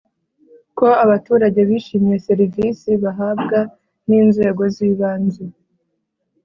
ko abaturage bishimiye serivisi bahabwa n inzego z’ibanze